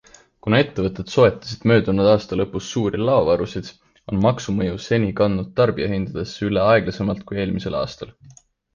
Kuna ettevõtted soetasid möödunud aasta lõpus suuri laovarusid, on maksumõju seni kandunud tarbijahindadesse üle aeglasemalt kui eelmisel aastal.